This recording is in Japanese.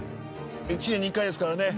１年に１回ですからね。